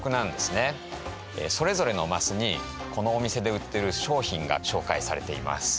それぞれのマスにこのお店で売ってる商品が紹介されています。